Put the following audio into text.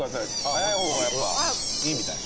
早い方がやっぱいいみたい。